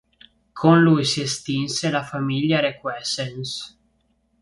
Con lui si estinse la famiglia Requesens.